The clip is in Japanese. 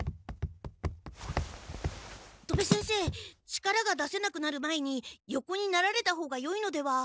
力が出せなくなる前に横になられた方がよいのでは？